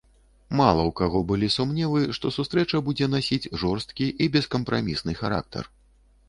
Мала ў каго былі сумневы, што сустрэча будзе насіць жорсткі і бескампрамісны характар.